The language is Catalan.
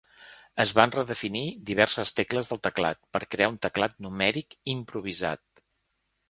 Es van redefinir diverses tecles del teclat per crear un teclat numèric improvisat.